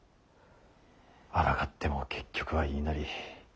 あらがっても結局は言いなり。